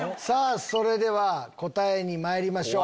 それでは答えにまいりましょう。